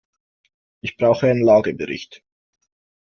Ich brauche einen Lagebericht.